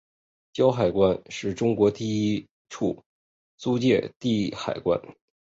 胶海关是中国第一处租借地海关。